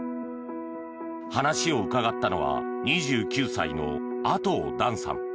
話を伺ったのは２９歳の阿刀暖さん。